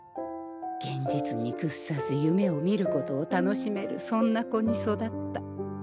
現実に屈さず夢を見ることを楽しめるそんな子に育った。